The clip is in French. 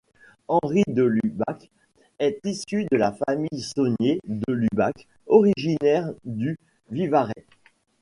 Henri de Lubac est issu de la famille Sonier de Lubac, originaire du Vivarais.